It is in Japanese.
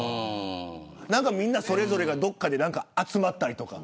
それぞれがどこかで集まったりとか。